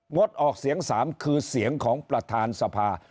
ดออกเสียง๓คือเสียงของประธานสภา